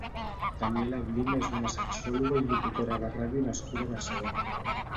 Daniela Blume és una sexòloga i locutora de ràdio nascuda a Barcelona.